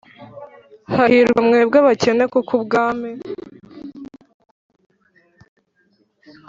Hahirwa mwebwe abakene Kuko ubwami